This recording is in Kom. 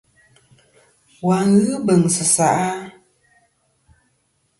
Wà n-ghɨ beŋsɨ seʼ a?